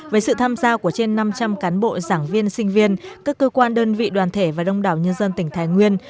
với sự tham gia của trên năm trăm linh cán bộ giảng viên sinh viên các cơ quan đơn vị đoàn thể và đông đảo nhân dân tỉnh thái nguyên